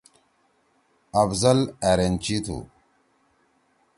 آفضل أرینچی تُھو۔